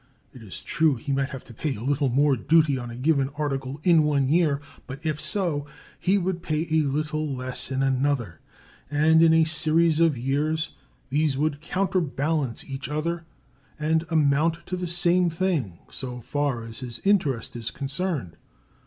It is true he might have to pay a little more duty on a given article in one year, but, if so, he would pay a little less in another, and in a series of years these would counterbalance each other and amount to the same thing so far as his interest is concerned.